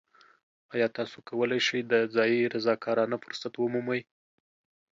ایا تاسو کولی شئ د ځایی رضاکارانه فرصت ومومئ؟